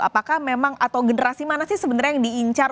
apakah memang atau generasi mana sih sebenarnya yang diincar